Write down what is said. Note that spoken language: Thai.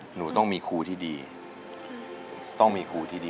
หนูต้องมีครูที่ดีต้องมีครูที่ดี